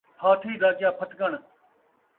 پھاتھی دا کیا پھتکݨ